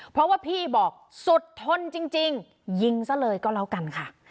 เพราะว่าพี่บอกสุดทนจริงยิงซะเลยก็แล้วกันค่ะ